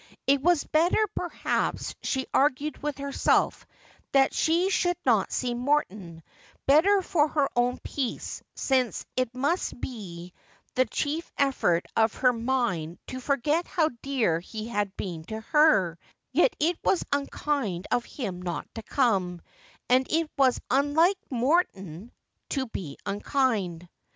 It was better, perhaps, she argued with herself, that she should not see Morton — better for her own peace, since it must be the chief effort of her mind to forget how dear he had been to her ; yet it was unkind of him not to come ; and it was unlike Morton to be unkind.